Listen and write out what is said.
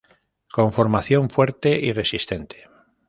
Conformación fuerte y resistente.